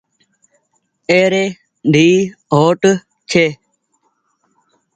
اي ري ڌي هوٽ ڇي۔